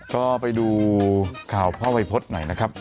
ก็ไปดูข่าวพ่อวัยพฤษหน่อยนะครับ